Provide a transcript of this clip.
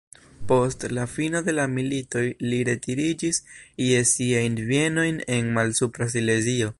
Post la fino de la militoj li retiriĝis je siajn bienojn en Malsupra Silezio.